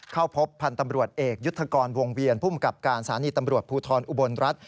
เข้าพบพันธ์ตำรวจเอกยุทธกรวงเวียนภูมิกับการสถานีตำรวจภูทรอุบลรัฐ